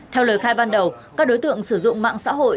theo lời khai ban đầu các đối tượng sử dụng mạng xã hội